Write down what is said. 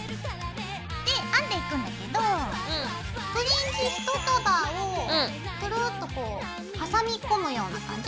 で編んでいくんだけどフリンジ１束をクルッとこう挟み込むような感じ